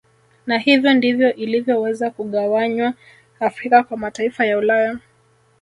Na hivyo ndivyo ilivyoweza kugawanywa Afrika kwa mataifa ya Ulaya